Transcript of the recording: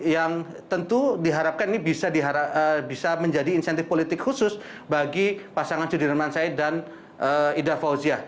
yang tentu diharapkan ini bisa menjadi insentif politik khusus bagi pasangan sudirman said dan ida fauzia